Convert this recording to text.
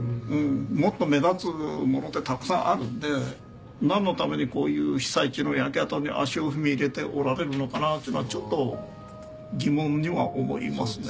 もっと目立つものってたくさんあるので何のためにこういう被災地の焼け跡に足を踏み入れておられるのかなというのはちょっと疑問には思いますね。